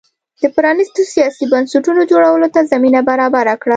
د پرانیستو سیاسي بنسټونو جوړولو ته زمینه برابره کړه.